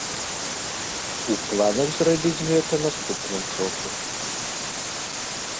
У планах зрабіць гэта наступным крокам.